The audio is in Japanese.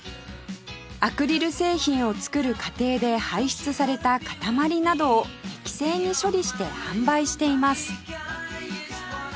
アクリル製品を作る過程で排出された塊などを適正に処理して販売しています